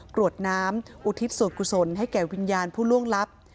กรวดน้ำอุทิศส่วนกุศลให้แก่วิญญาณผู้ล่วงลับ